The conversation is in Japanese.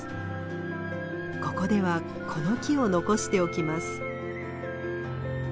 ここではこの木を残しておきます。